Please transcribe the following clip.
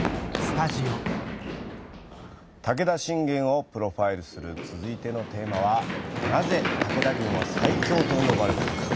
武田信玄をプロファイルする続いてのテーマは「なぜ武田軍は最強と呼ばれたのか？」。